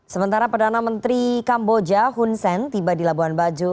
sementara perdana menteri kamboja hun sen tiba di labuan bajo